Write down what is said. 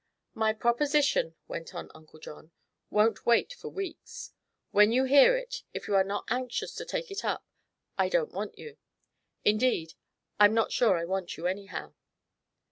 "My proposition," went on Uncle John, "won't wait for weeks. When you hear it, if you are not anxious to take it up, I don't want you. Indeed, I'm not sure I want you, anyhow."